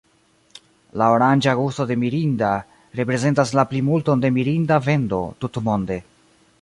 La oranĝa gusto de "Mirinda" reprezentas la plimulton de Mirinda vendo tutmonde.